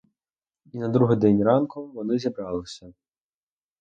І на другий день ранком вони зібралися.